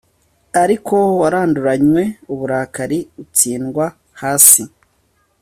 Ariko waranduranywe uburakari utsindwa hasi